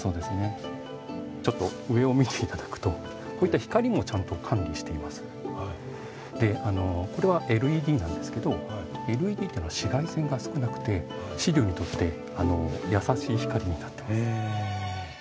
ちょっと上を見て頂くとこういったこれはＬＥＤなんですけどＬＥＤっていうのは紫外線が少なくて資料にとって優しい光になってます。